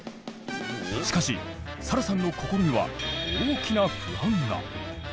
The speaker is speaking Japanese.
しかしサラさんの心には大きな不安が。